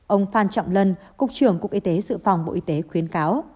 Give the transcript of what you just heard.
ông phan trọng lân cục trưởng cục y tế sự phòng bộ y tế khuyến cáo